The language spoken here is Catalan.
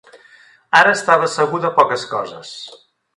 Ara estava segur de poques coses.